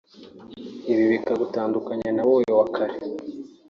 ibi bikagutandukanya na wowe wa kera